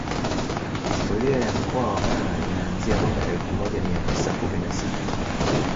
Historia ya Mkoa wa Mara inaanzia mwaka elfu moja mia tisa kumi na sita